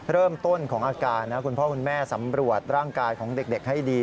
เริ่มต้นของอาการนะคุณพ่อคุณแม่สำรวจร่างกายของเด็กให้ดี